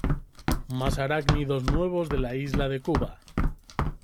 Más Arácnidos nuevos de la Isla de Cuba.